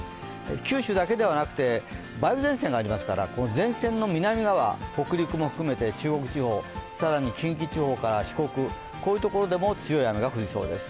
九州だけではなくて、梅雨前線がありますから、前線の南側、北陸も含めて中国地方、更に近畿地方から四国、こういうところでも強い雨が降りそうです。